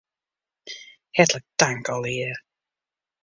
Hertlik tank allegearre.